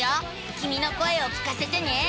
きみの声を聞かせてね。